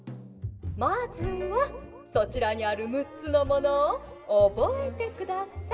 「まずはそちらにある６つのものをおぼえてください。